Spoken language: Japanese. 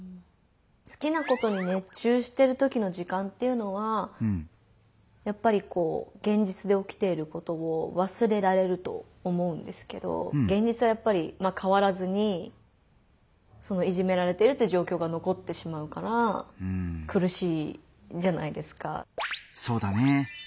好きなことに熱中してるときの時間っていうのはやっぱりこう現実でおきていることを忘れられると思うんですけど現実はやっぱりまあ変わらずにそのいじめられてるっていう状況がのこってしまうからくるしいじゃないですか。